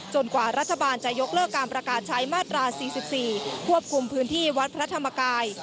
กว่ารัฐบาลจะยกเลิกการประกาศใช้มาตรา๔๔ควบคุมพื้นที่วัดพระธรรมกาย